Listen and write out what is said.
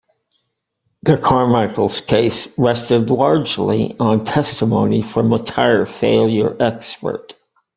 The Carmichaels' case rested largely on testimony from a tire failure expert.